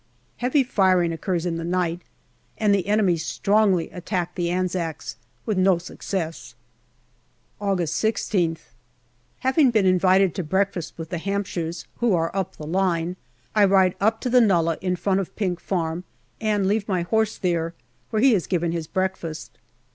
AUGUST 193 Heavy firing occurs in the night, and the enemy strongly attack the Anzacs, with no success. August 16th. Having been invited to breakfast with the Hampshires, who are up the line, I ride up to the nullah in front of Pink Farm and leave my horse there, where he is given his breakfast.